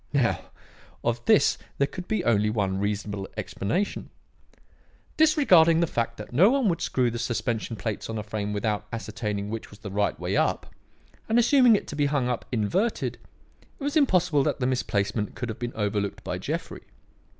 "Now, of this there could be only one reasonable explanation. Disregarding the fact that no one would screw the suspension plates on a frame without ascertaining which was the right way up, and assuming it to be hung up inverted, it was impossible that the misplacement could have been overlooked by Jeffrey.